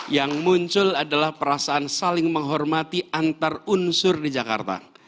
yang muncul adalah perasaan saling menghormati antar unsur di jakarta